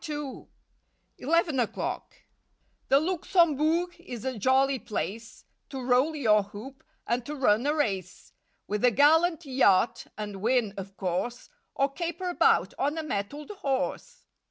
• TEN O'CLOCK 19 ELEVEN O'CLOCK T he Luxembourg is a jolly place To roll your hoop, and to run a race With a gallant yacht, and win, of course. Or caper about on a mettled horse!